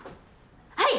はい！